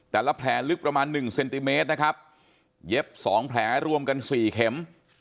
แต่ละแผลลึกประมาณหนึ่งเซนติเมตรนะครับเย็บสองแผลรวมกันสี่เข็ม